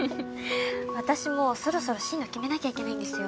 私もそろそろ進路決めなきゃいけないんですよ。